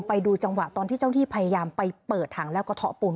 เพราะว่าบางทีรู้สึกไม่ถึงว่ามีดินอยู่